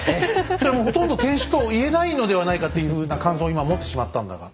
それはほとんど天酒と言えないのではないかっていうふうな感想を今持ってしまったんだが。